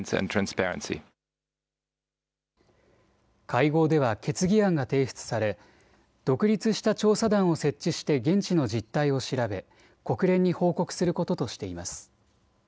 会合では決議案が提出され独立した調査団を設置して現地の実態を調べ国連に報告することとしています。